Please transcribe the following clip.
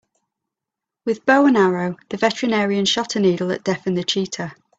With bow and arrow the veterinarian shot a needle that deafened the cheetah.